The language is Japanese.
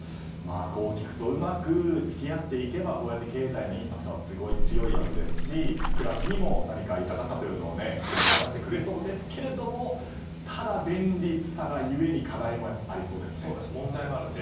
こう聞くとうまく付き合っていけば経済のインパクトは強いですし暮らしにも豊かさをもたらしてくれそうですけれどもただ、便利さがゆえに問題もあるんです。